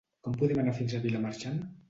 Com podem anar fins a Vilamarxant?